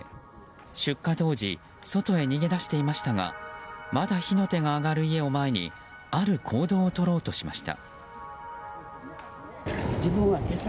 出火当時外へ逃げ出していましたがまだ火の手が上がる家を前にある行動を取ろうとしました。